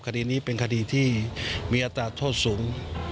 คดีนี้เป็นคดีที่มีอัตราโทษสูง